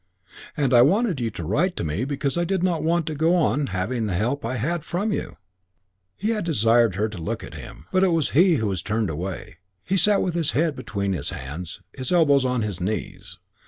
And I wanted you to write to me because I did want to go on having the help I had from you " He had desired her to look at him, but it was he who had turned away. He sat with his head between his hands, his elbows on his knees.